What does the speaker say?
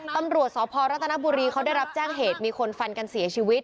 ตำรวจสพรัฐนบุรีเขาได้รับแจ้งเหตุมีคนฟันกันเสียชีวิต